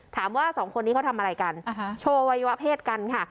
สองคนนี้เขาทำอะไรกันโชว์วัยวะเพศกันค่ะ